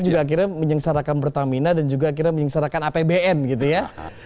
dan juga akhirnya menyengsarakan pertamina dan juga akhirnya menyengsarakan apbn gitu ya